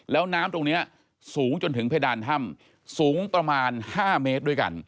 แล้วน้ำตรงนี้สูงจนถึงเพดานถ้ำสูงประมาณ๕เมตรด้วยกัน